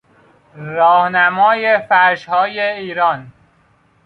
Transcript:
راهنمای فرشهای ایران